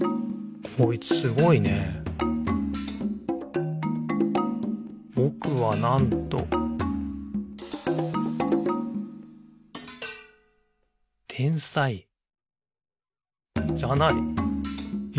こいつすごいね「ぼくは、なんと」天才じゃない。え？